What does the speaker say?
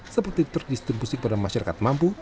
seperti terdistribusi kepada masyarakat mampu